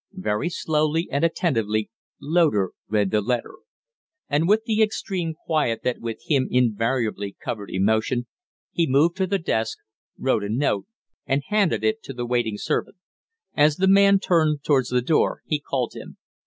Very slowly and attentively Loder read the letter; and with the extreme quiet that with him invariably covered emotion, he moved to the desk, wrote a note, and handed it to the waiting servant. As the man turned towards the door he called him.